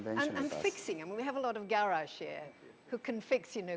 karena itu mereka memerlukan peralatan dan peralatan yang berkaitan dengan vokas tinggi